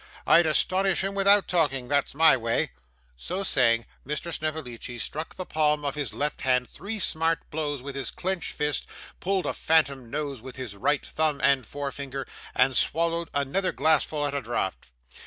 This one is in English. I'd astonish him without talking; that's my way.' So saying, Mr. Snevellicci struck the palm of his left hand three smart blows with his clenched fist; pulled a phantom nose with his right thumb and forefinger, and swallowed another glassful at a draught.